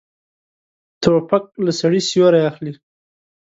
توپک له سړي سیوری اخلي.